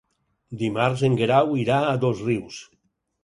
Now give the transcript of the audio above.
Dimarts en Guerau irà a Dosrius.